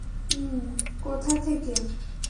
উম কোথা থেকে?